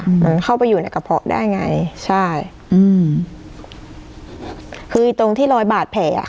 เหมือนเข้าไปอยู่ในกระเพาะได้ไงใช่อืมคือตรงที่รอยบาดแผลอ่ะ